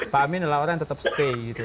pamin adalah orang yang tetap stay